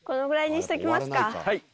はい。